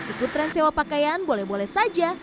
ikut tren sewa pakaian boleh boleh saja